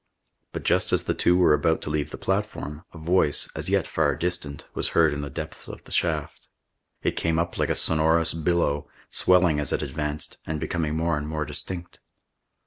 But just as the two were about to leave the platform, a voice, as yet far distant, was heard in the depths of the shaft. It came up like a sonorous billow, swelling as it advanced, and becoming more and more distinct.